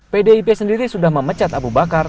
pdip sendiri sudah memecat abu bakar